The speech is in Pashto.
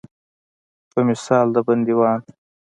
په مثال د بندیوان.